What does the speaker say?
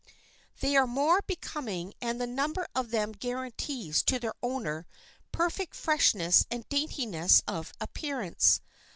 They are more becoming and the number of them guarantees to their owner perfect freshness and daintiness of appearance.